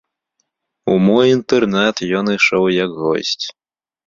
У мой інтэрнат ён ішоў як госць.